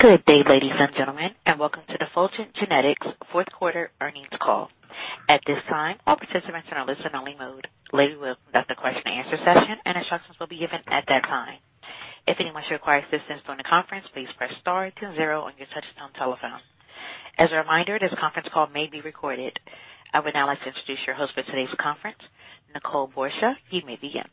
Good day, ladies and gentlemen, and welcome to the Fulgent Genetics Fourth Quarter Earnings Call. At this time, all participants are in listen-only mode. Later, we'll conduct a question and answer session and instructions will be given at that time. If anyone should require assistance during the conference, please press star two zero on your touchtone telephone. As a reminder, this conference call may be recorded. I would now like to introduce your host for today's conference, Nicole Borsje. You may begin.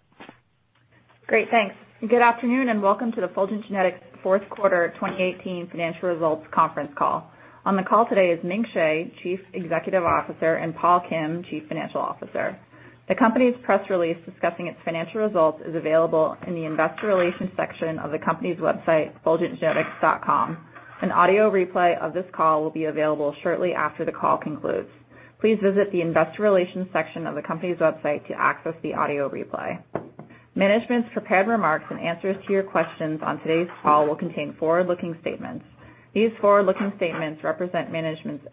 Great. Thanks. Good afternoon and welcome to the Fulgent Genetics Fourth Quarter 2018 Financial Results Conference Call. On the call today is Ming Hsieh, Chief Executive Officer, and Paul Kim, Chief Financial Officer. The company's press release discussing its financial results is available in the investor relations section of the company's website, fulgentgenetics.com. An audio replay of this call will be available shortly after the call concludes. Please visit the investor relations section of the company's website to access the audio replay. Management's prepared remarks and answers to your questions on today's call will contain forward-looking statements. These forward-looking statements represent management's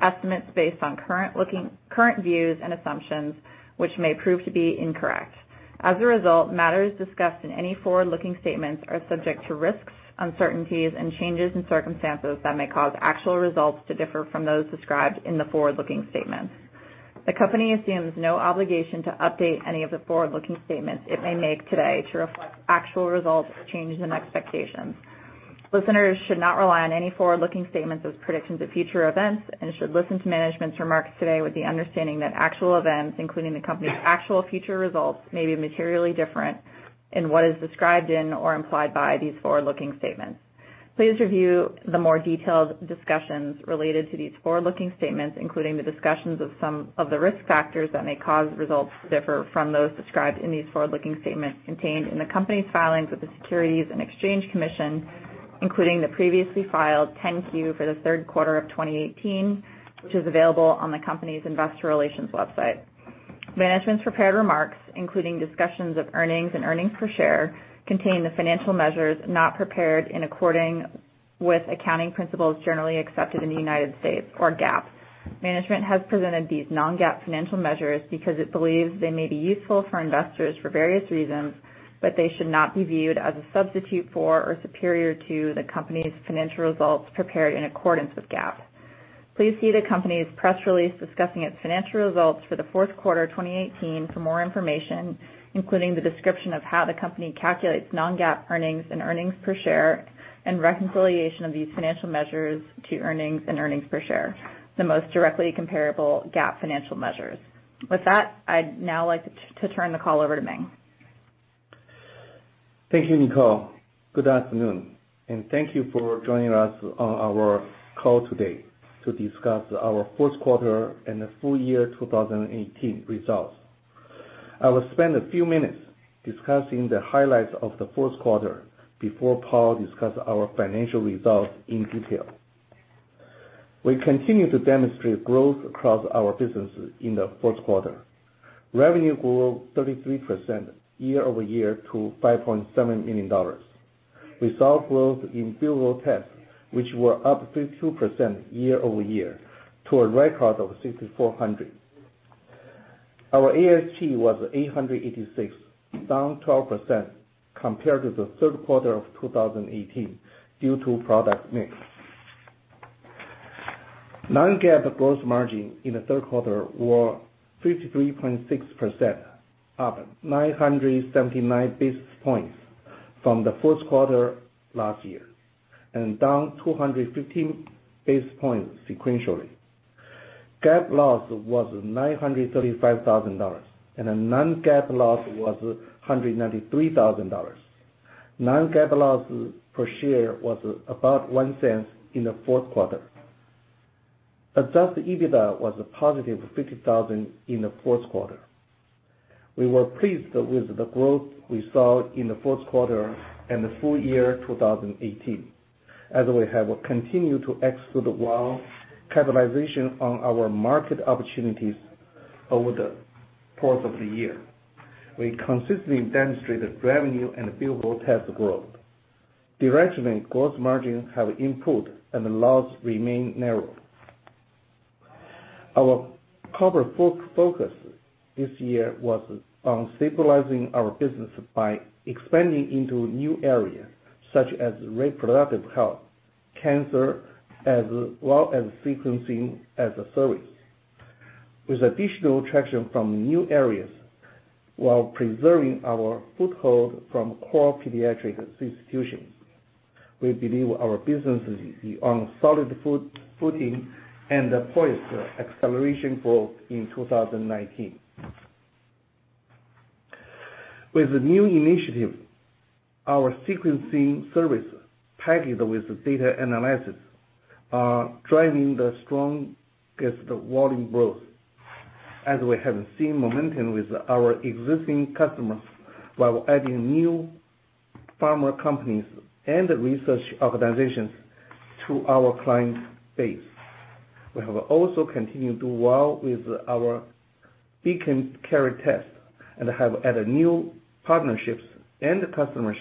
estimates based on current views and assumptions, which may prove to be incorrect. As a result, matters discussed in any forward-looking statements are subject to risks, uncertainties, and changes in circumstances that may cause actual results to differ from those described in the forward-looking statements. The company assumes no obligation to update any of the forward-looking statements it may make today to reflect actual results or changes in expectations. Listeners should not rely on any forward-looking statements as predictions of future events and should listen to management's remarks today with the understanding that actual events, including the company's actual future results, may be materially different in what is described in or implied by these forward-looking statements. Please review the more detailed discussions related to these forward-looking statements, including the discussions of some of the risk factors that may cause results to differ from those described in these forward-looking statements contained in the company's filings with the Securities and Exchange Commission, including the previously filed 10-Q for the third quarter of 2018, which is available on the company's investor relations website. Management's prepared remarks, including discussions of earnings and earnings per share, contain the financial measures not prepared in accordance with accounting principles generally accepted in the U.S. or GAAP. Management has presented these non-GAAP financial measures because it believes they may be useful for investors for various reasons, but they should not be viewed as a substitute for or superior to the company's financial results prepared in accordance with GAAP. Please see the company's press release discussing its financial results for the fourth quarter 2018 for more information, including the description of how the company calculates non-GAAP earnings and earnings per share and reconciliation of these financial measures to earnings and earnings per share, the most directly comparable GAAP financial measures. With that, I'd now like to turn the call over to Ming. Thank you, Nicole. Good afternoon and thank you for joining us on our call today to discuss our Fourth Quarter and the Full Year 2018 Results. I will spend a few minutes discussing the highlights of the fourth quarter before Paul discuss our financial results in detail. We continue to demonstrate growth across our businesses in the fourth quarter. Revenue grew 33% year-over-year to $5.7 million. We saw growth in billable tests, which were up 52% year-over-year to a record of 6,400. Our ASP was $886, down 12% compared to the third quarter of 2018 due to product mix. Non-GAAP gross margin in the fourth quarter were 53.6%, up 979 basis points from the fourth quarter last year, and down 215 basis points sequentially. GAAP loss was $935,000, and the non-GAAP loss was $193,000. Non-GAAP loss per share was about $0.01 in the fourth quarter. Adjusted EBITDA was a positive $50,000 in the fourth quarter. We were pleased with the growth we saw in the fourth quarter and the full year 2018, as we have continued to execute well, capitalization on our market opportunities over the course of the year. We consistently demonstrated revenue and billable test growth. Directionally, gross margin have improved, and the loss remain narrow. Our corporate focus this year was on stabilizing our business by expanding into new areas such as reproductive health, cancer, as well as sequencing as a service. With additional traction from new areas while preserving our foothold from core pediatric institutions, we believe our business is on solid footing and poised for acceleration growth in 2019. With the new initiative, our sequencing service packaged with data analysis are driving the strongest volume growth as we have seen momentum with our existing customers while adding new pharma companies and research organizations to our client base. We have also continued to do well with our Beacon Carrier Test and have added new partnerships and customers,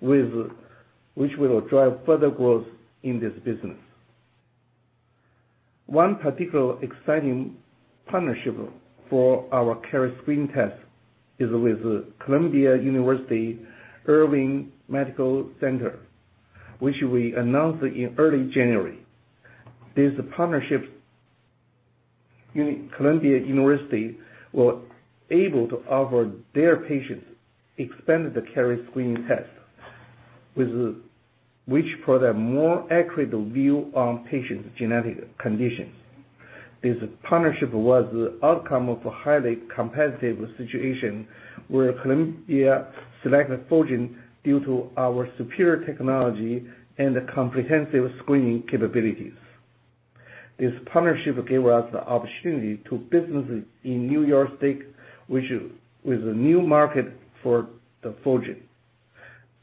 which will drive further growth in this business. One particular exciting partnership for our carrier screen test is with Columbia University Irving Medical Center, which we announced in early January. This partnership, Columbia University were able to offer their patients expanded carrier screening tests which provide more accurate view on patients' genetic conditions. This partnership was the outcome of a highly competitive situation where Columbia selected Fulgent due to our superior technology and comprehensive screening capabilities. This partnership gave us the opportunity to do business in New York State, which is a new market for Fulgent.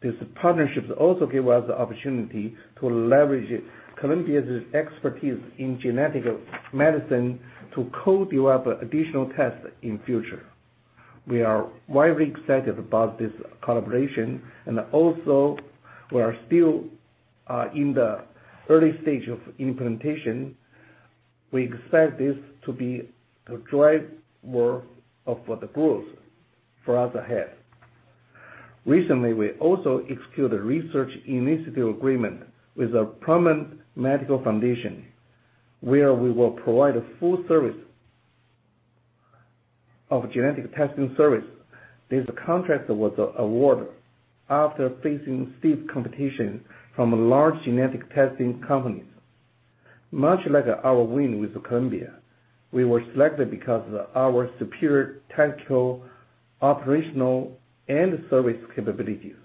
This partnership also gave us the opportunity to leverage Columbia's expertise in genetic medicine to co-develop additional tests in future. We are widely excited about this collaboration, and also we are still in the early stage of implementation. We expect this to drive more of the growth for us ahead. Recently, we also executed a research initiative agreement with a prominent medical foundation, where we will provide a full service of genetic testing service. This contract was awarded after facing stiff competition from large genetic testing companies. Much like our win with Columbia, we were selected because of our superior technical, operational, and service capabilities.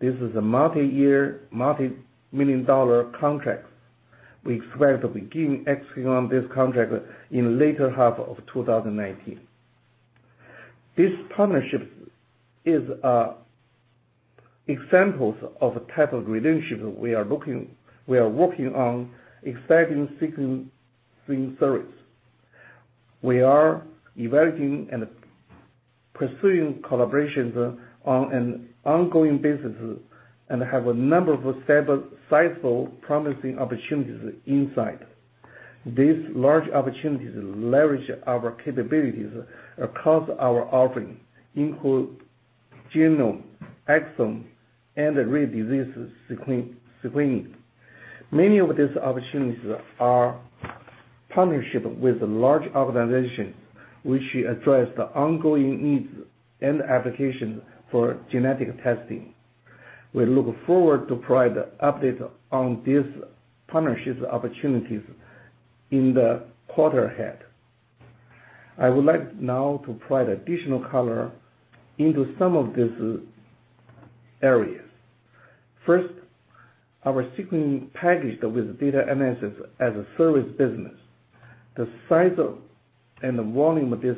This is a multi-year, multi-million dollar contract. We expect to begin executing on this contract in later half of 2019. This partnership is an example of a type of relationship we are working on expanding sequencing service. We are evaluating and pursuing collaborations on an ongoing basis and have a number of sizable promising opportunities in sight. These large opportunities leverage our capabilities across our offering, including genome, exome, and rare disease sequencing. Many of these opportunities are partnerships with large organizations, which address the ongoing needs and applications for genetic testing. We look forward to provide update on these partnership opportunities in the quarter ahead. I would like now to provide additional color into some of these areas. First, our sequencing package with data analysis as a service business. The size and the volume of these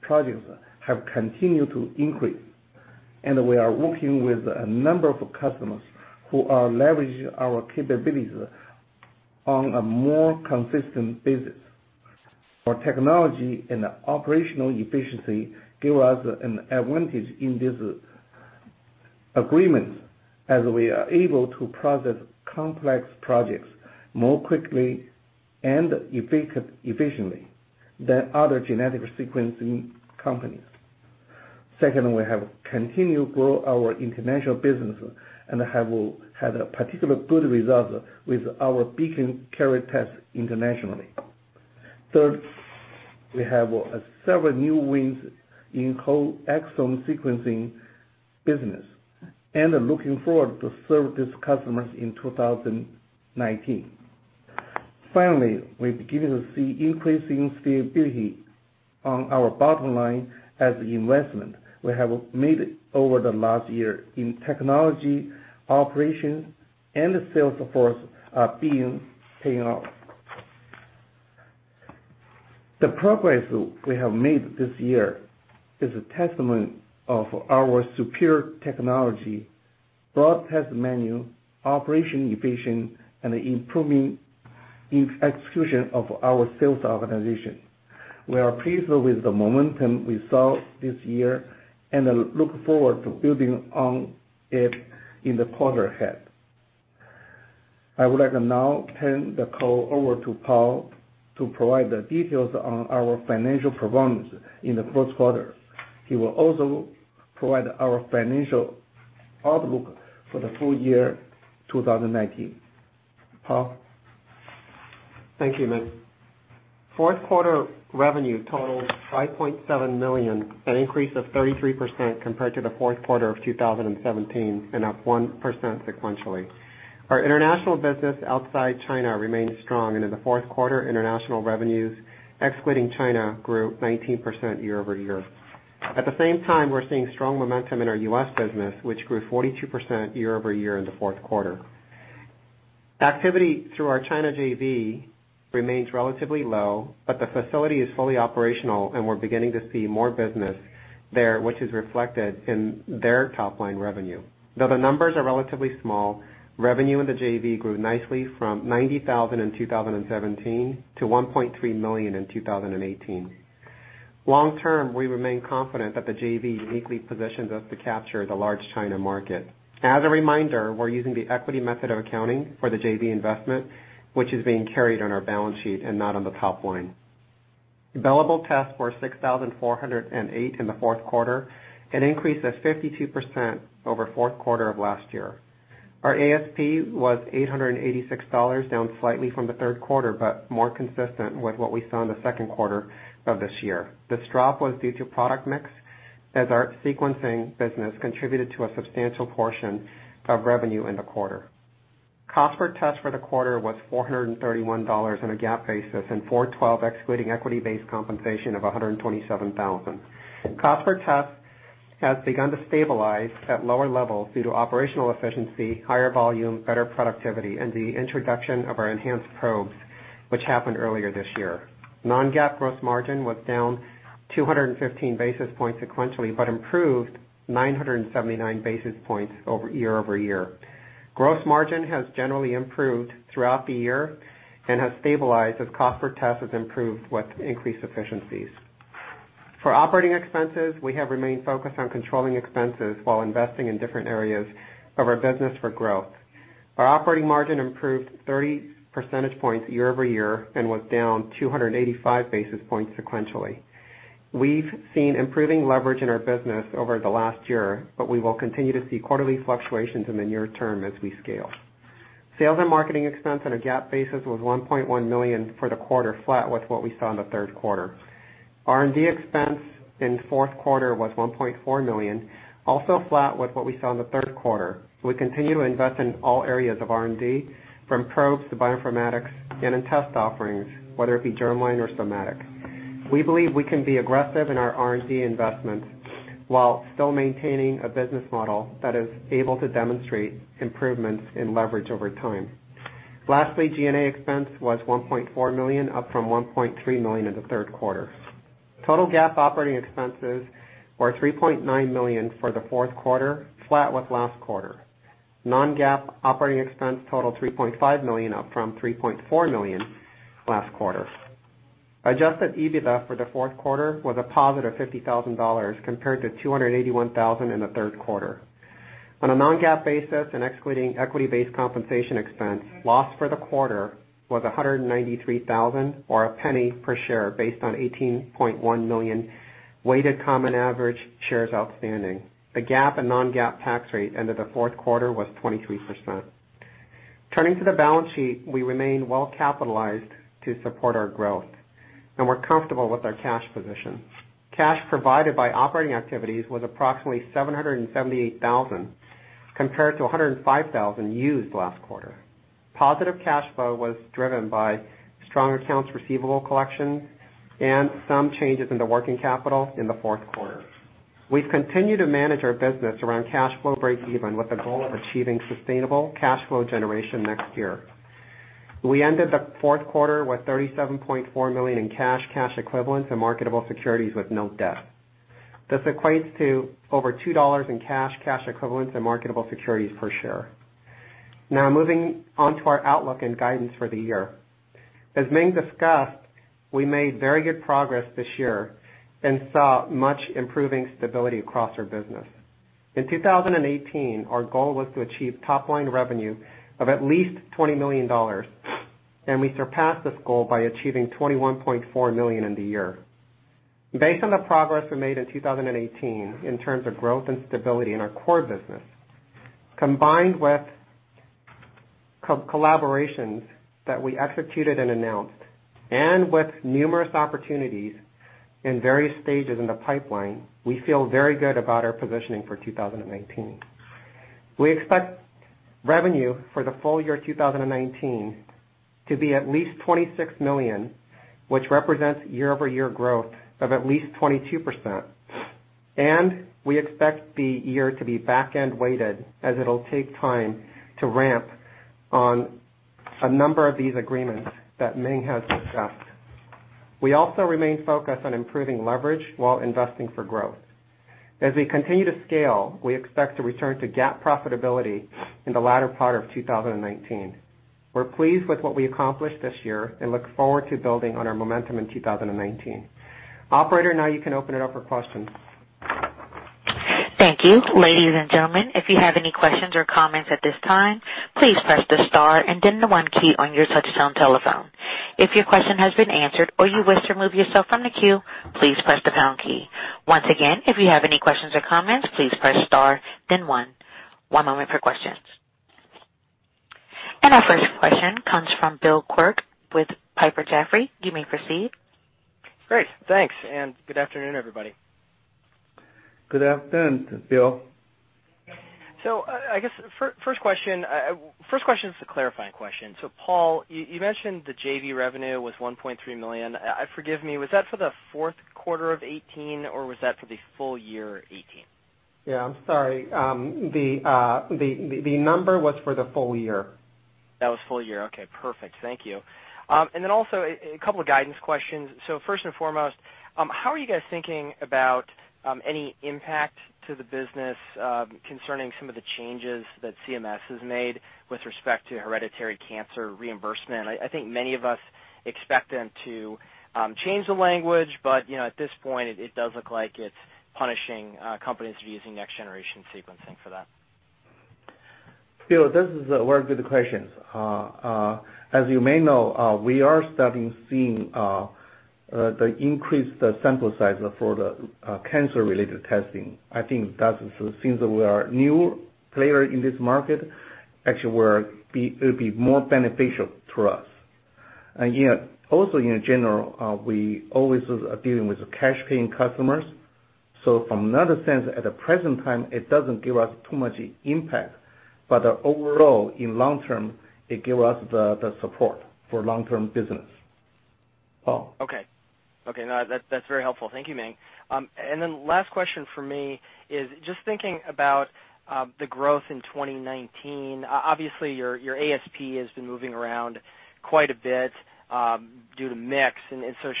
projects have continued to increase, and we are working with a number of customers who are leveraging our capabilities on a more consistent basis. Our technology and operational efficiency give us an advantage in these agreements, as we are able to process complex projects more quickly and efficiently than other genetic sequencing companies. Second, we have continued to grow our international business and have had a particular good result with our Beacon Carrier Test internationally. Third, we have several new wins in whole exome sequencing business, and are looking forward to serve these customers in 2019. Finally, we're beginning to see increasing stability on our bottom line as the investment we have made over the last year in technology, operations, and sales force are paying off. The progress we have made this year is a testament of our superior technology, broad test menu, operational efficiency, and improving execution of our sales organization. We are pleased with the momentum we saw this year and look forward to building on it in the quarter ahead. I would like to now hand the call over to Paul to provide the details on our financial performance in the fourth quarter. He will also provide our financial outlook for the full year 2019. Paul? Thank you, Ming. Fourth quarter revenue totaled $5.7 million, an increase of 33% compared to the fourth quarter of 2017, and up 1% sequentially. Our international business outside China remains strong, and in the fourth quarter, international revenues, excluding China, grew 19% year-over-year. At the same time, we're seeing strong momentum in our U.S. business, which grew 42% year-over-year in the fourth quarter. Activity through our China JV remains relatively low, but the facility is fully operational, and we're beginning to see more business there, which is reflected in their top-line revenue. Though the numbers are relatively small, revenue in the JV grew nicely from $90,000 in 2017 to $1.3 million in 2018. Long term, we remain confident that the JV uniquely positions us to capture the large China market. As a reminder, we're using the equity method of accounting for the JV investment, which is being carried on our balance sheet and not on the top line. Billable tests were 6,408 in the fourth quarter, an increase of 52% over fourth quarter of last year. Our ASP was $886, down slightly from the third quarter, but more consistent with what we saw in the second quarter of this year. This drop was due to product mix, as our sequencing business contributed to a substantial portion of revenue in the quarter. Cost per test for the quarter was $431 on a GAAP basis and $412 excluding equity-based compensation of $127,000. Cost per test has begun to stabilize at lower levels due to operational efficiency, higher volume, better productivity, and the introduction of our enhanced probes, which happened earlier this year. Non-GAAP gross margin was down 215 basis points sequentially, improved 979 basis points year-over-year. Gross margin has generally improved throughout the year and has stabilized as cost per test has improved with increased efficiencies. For operating expenses, we have remained focused on controlling expenses while investing in different areas of our business for growth. Our operating margin improved 30 percentage points year-over-year and was down 285 basis points sequentially. We've seen improving leverage in our business over the last year, but we will continue to see quarterly fluctuations in the near term as we scale. Sales and marketing expense on a GAAP basis was $1.1 million for the quarter, flat with what we saw in the third quarter. R&D expense in the fourth quarter was $1.4 million, also flat with what we saw in the third quarter. We continue to invest in all areas of R&D, from probes to bioinformatics and in test offerings, whether it be germline or somatic. We believe we can be aggressive in our R&D investments while still maintaining a business model that is able to demonstrate improvements in leverage over time. Lastly, G&A expense was $1.4 million, up from $1.3 million in the third quarter. Total GAAP operating expenses were $3.9 million for the fourth quarter, flat with last quarter. Non-GAAP operating expense totaled $3.5 million, up from $3.4 million last quarter. Adjusted EBITDA for the fourth quarter was a positive $50,000 compared to $281,000 in the third quarter. On a non-GAAP basis and excluding equity-based compensation expense, loss for the quarter was $193,000 or a penny per share based on 18.1 million weighted common average shares outstanding. The GAAP and non-GAAP tax rate end of the fourth quarter was 23%. Turning to the balance sheet, we remain well-capitalized to support our growth, we're comfortable with our cash position. Cash provided by operating activities was approximately $778,000, compared to $105,000 used last quarter. Positive cash flow was driven by strong accounts receivable collection and some changes in the working capital in the fourth quarter. We've continued to manage our business around cash flow breakeven with a goal of achieving sustainable cash flow generation next year. We ended the fourth quarter with $37.4 million in cash equivalents, and marketable securities with no debt. This equates to over $2 in cash equivalents, and marketable securities per share. Moving on to our outlook and guidance for the year. As Ming discussed, we made very good progress this year and saw much improving stability across our business. In 2018, our goal was to achieve top-line revenue of at least $20 million, and we surpassed this goal by achieving $21.4 million in the year. Based on the progress we made in 2018 in terms of growth and stability in our core business, combined with collaborations that we executed and announced, and with numerous opportunities in various stages in the pipeline, we feel very good about our positioning for 2019. We expect revenue for the full year 2019 to be at least $26 million, which represents year-over-year growth of at least 22%, and we expect the year to be back-end weighted as it'll take time to ramp on a number of these agreements that Ming has discussed. We also remain focused on improving leverage while investing for growth. As we continue to scale, we expect to return to GAAP profitability in the latter part of 2019. We're pleased with what we accomplished this year and look forward to building on our momentum in 2019. Operator, now you can open it up for questions. Thank you. Ladies and gentlemen, if you have any questions or comments at this time, please press the star and then the one key on your touchtone telephone. If your question has been answered or you wish to remove yourself from the queue, please press the pound key. Once again, if you have any questions or comments, please press star then one. One moment for questions. Our first question comes from Bill Quirk with Piper Jaffray. You may proceed. Great. Thanks, good afternoon, everybody. Good afternoon, Bill. I guess first question is a clarifying question. Paul, you mentioned the JV revenue was $1.3 million. Forgive me, was that for the fourth quarter of 2018, or was that for the full year 2018? Yeah, I'm sorry. The number was for the full year. That was full year. Okay, perfect. Thank you. Also a couple guidance questions. First and foremost, how are you guys thinking about any impact to the business concerning some of the changes that CMS has made with respect to hereditary cancer reimbursement? I think many of us expect them to change the language, but at this point, it does look like it's punishing companies using next-generation sequencing for that. Bill, those are very good questions. As you may know, we are starting to see the increased sample size for the cancer-related testing. I think that since we are a new player in this market, actually it would be more beneficial to us. Also in general, we always are dealing with cash-paying customers. From another sense, at the present time, it doesn't give us too much impact. Overall, in long term, it gives us the support for long-term business. Paul. Okay. No, that's very helpful. Thank you, Ming. Last question from me is just thinking about the growth in 2019. Obviously, your ASP has been moving around quite a bit due to mix.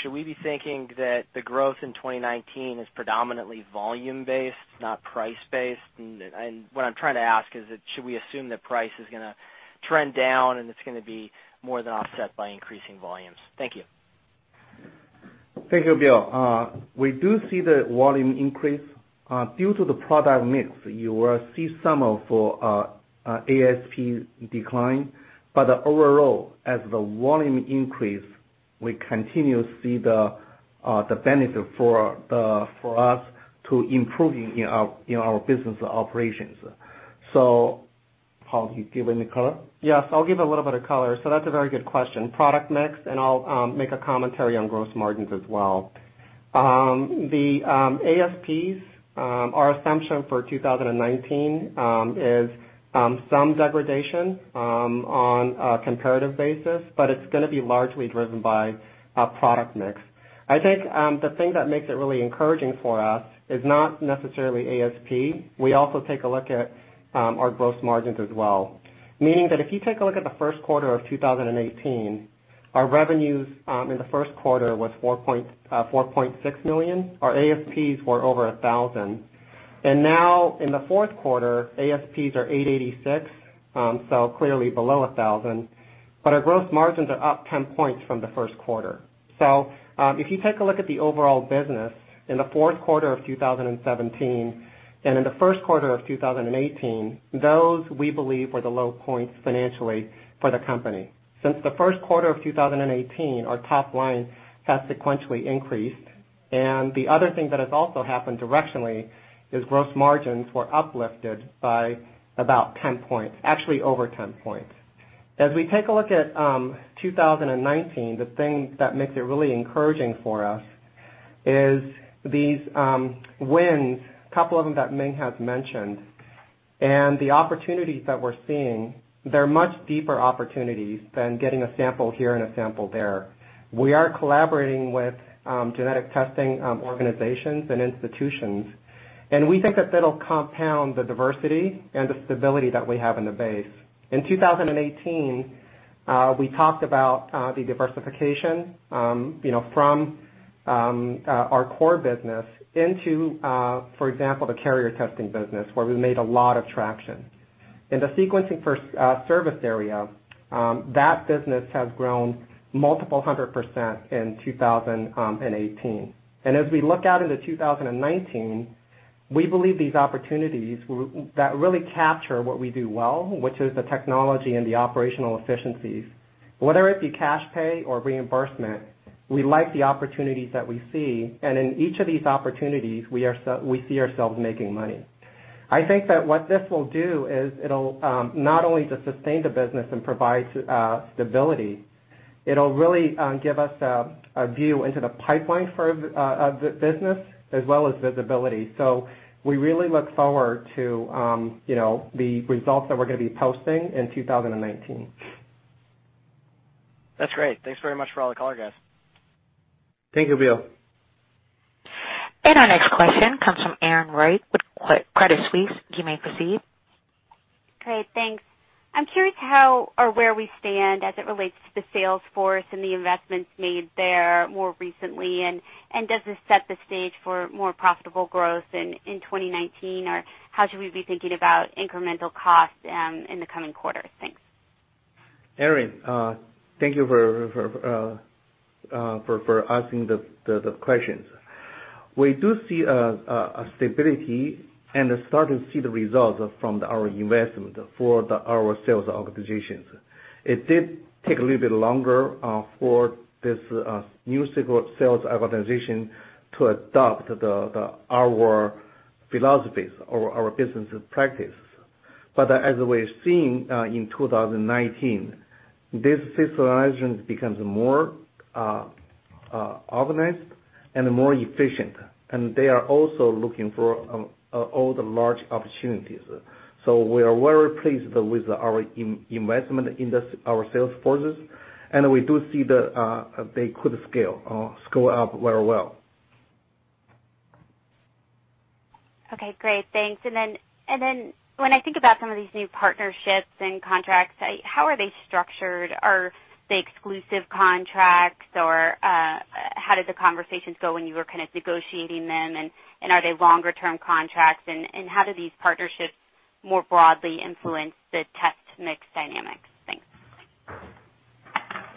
Should we be thinking that the growth in 2019 is predominantly volume-based, not price-based? What I'm trying to ask is, should we assume that price is going to trend down and it's going to be more than offset by increasing volumes? Thank you. Thank you, Bill. We do see the volume increase. Due to the product mix, you will see some of ASP decline. Overall, as the volume increase, we continue to see the benefit for us to improving our business operations. Paul, you giving the color? Yes, I'll give a little bit of color. That's a very good question. Product mix, I'll make a commentary on gross margins as well. The ASPs, our assumption for 2019 is some degradation on a comparative basis, it's going to be largely driven by product mix. I think the thing that makes it really encouraging for us is not necessarily ASP. We also take a look at our gross margins as well. Meaning that if you take a look at the first quarter of 2018, our revenues in the first quarter was $4.6 million. Our ASPs were over 1,000. Now in the fourth quarter, ASPs are 886, clearly below 1,000. Our gross margins are up 10 points from the first quarter. If you take a look at the overall business in the fourth quarter of 2017 and in the first quarter of 2018, those, we believe, were the low points financially for the company. Since the first quarter of 2018, our top line has sequentially increased. The other thing that has also happened directionally is gross margins were uplifted by about 10 points. Actually, over 10 points. As we take a look at 2019, the thing that makes it really encouraging for us is these wins, couple of them that Ming has mentioned, the opportunities that we're seeing, they're much deeper opportunities than getting a sample here and a sample there. We are collaborating with genetic testing organizations and institutions, we think that that'll compound the diversity and the stability that we have in the base. In 2018, we talked about the diversification from our core business into, for example, the carrier testing business, where we made a lot of traction. In the sequencing service area, that business has grown multiple hundred percent in 2018. As we look out into 2019, we believe these opportunities that really capture what we do well, which is the technology and the operational efficiencies. Whether it be cash pay or reimbursement, we like the opportunities that we see, in each of these opportunities, we see ourselves making money. I think that what this will do is it'll not only just sustain the business and provide stability, it'll really give us a view into the pipeline for the business as well as visibility. We really look forward to the results that we're going to be posting in 2019. That's great. Thanks very much for all the color, guys. Thank you, Bill. Our next question comes from Erin Wright with Credit Suisse. You may proceed. Great, thanks. I'm curious how or where we stand as it relates to the sales force and the investments made there more recently, and does this set the stage for more profitable growth in 2019, or how should we be thinking about incremental costs in the coming quarters? Thanks. Erin, thank you for asking the questions. We do see a stability and are starting to see the results from our investment for our sales organizations. It did take a little bit longer for this new sales organization to adopt our philosophies or our business practice. As we're seeing in 2019, this sales organization becomes more organized and more efficient, and they are also looking for all the large opportunities. We are very pleased with our investment in our sales forces, and we do see that they could scale up very well. Okay, great. Thanks. When I think about some of these new partnerships and contracts, how are they structured? Are they exclusive contracts, or how did the conversations go when you were negotiating them, and are they longer-term contracts, and how do these partnerships more broadly influence the test mix dynamics? Thanks.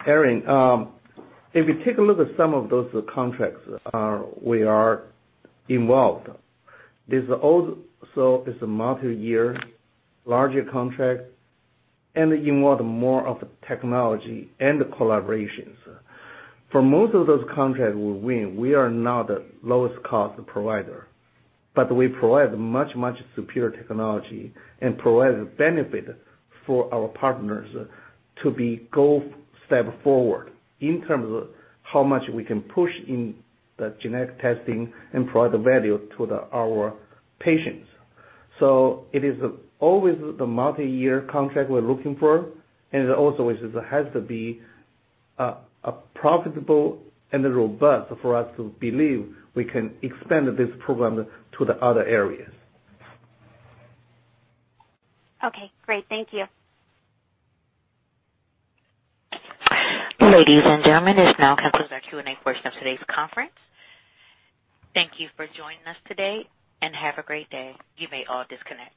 Erin, if you take a look at some of those contracts we are involved, this also is a multi-year larger contract and involve more of technology and collaborations. For most of those contracts we win, we are not the lowest cost provider, but we provide much superior technology and provide benefit for our partners to be go step forward in terms of how much we can push in the genetic testing and provide the value to our patients. It is always the multi-year contract we're looking for, and also it has to be profitable and robust for us to believe we can expand this program to the other areas. Okay, great. Thank you. Ladies and gentlemen, this now concludes our Q&A portion of today's conference. Thank you for joining us today, and have a great day. You may all disconnect.